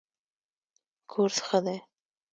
کورس ښه دی.